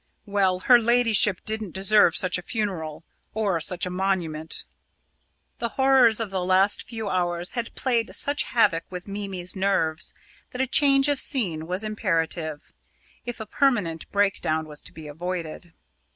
Well, her ladyship didn't deserve such a funeral or such a monument." The horrors of the last few hours had played such havoc with Mimi's nerves, that a change of scene was imperative if a permanent breakdown was to be avoided.